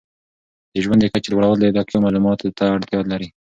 د ژوند د کچې لوړول دقیقو معلوماتو ته اړتیا لري.